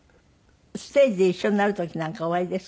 ステージで一緒になる時なんかおありですか？